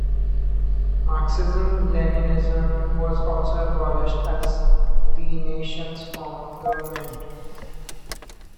Marxism-Leninism was also abolished as the nation's form of government.